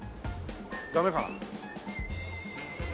ダメかな。